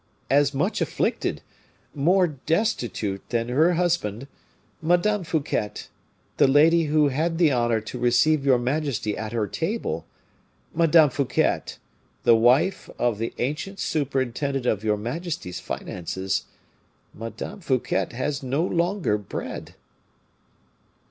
As much afflicted, more destitute than her husband, Madame Fouquet the lady who had the honor to receive your majesty at her table Madame Fouquet, the wife of the ancient superintendent of your majesty's finances, Madame Fouquet has no longer bread."